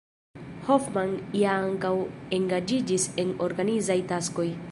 Hofmann ja ankaŭ engaĝiĝis en organizaj taskoj.